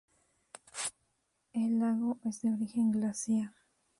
El lago es de origen Glaciar.